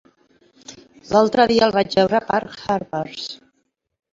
L'altre dia el vaig veure per Herbers.